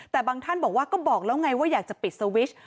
แต่บางท่านบอกว่าก็บอกแล้วไงว่าอยากจะปิดสวิช